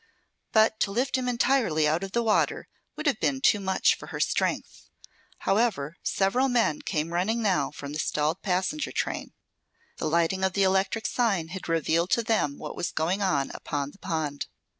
But to lift him entirely out of the water would have been too much for her strength. However, several men came running now from the stalled passenger train. The lighting of the electric sign had revealed to them what was going on upon the pond.